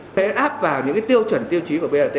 sẽ áp vào những tiêu chuẩn tiêu chí của brt